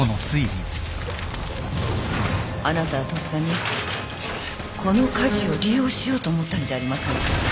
あなたはとっさにこの火事を利用しようと思ったんじゃありませんか？